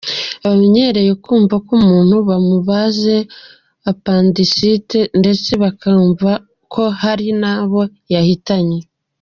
Abantu bamenyereye kumva ngo umuntu bamubaze apandicite ndetse bakumva ko hari n’ abo yahitanye.